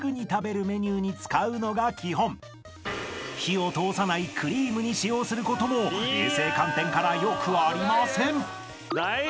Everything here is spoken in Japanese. ［火を通さないクリームに使用することも衛生観点からよくありません！］